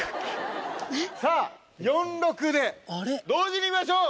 さぁ４６で同時に見ましょう。